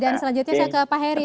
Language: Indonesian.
dan selanjutnya saya ke pak heri